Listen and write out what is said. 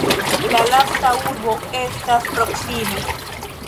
La lasta urbo estas proksime.